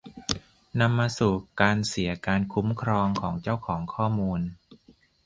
นำมาสู่การเสียการคุ้มครองของเจ้าของข้อมูล